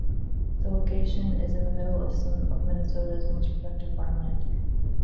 This location is in the middle of some of Minnesota's most productive farmland.